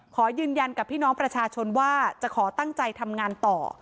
ขอยืนยันกับพี่น้องประชาชนว่าจะขอตั้งใจทำงานต่อ